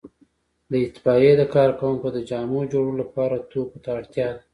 د اطفائیې د کارکوونکو د جامو جوړولو لپاره توکو ته اړتیا ده.